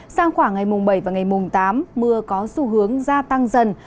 sang khoảng ngày mùng bảy và ngày mùng tám mưa có xu hướng gia tăng dần